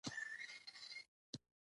د احمد کره ورغلوو؛ وريځې يې وځړولې.